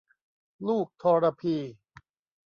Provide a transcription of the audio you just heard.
ลูกทรพี